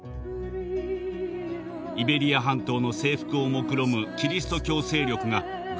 イベリア半島の征服をもくろむキリスト教勢力がグラナダを包囲。